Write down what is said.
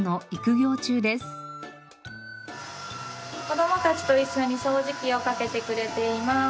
子どもたちと一緒に掃除機をかけてくれています。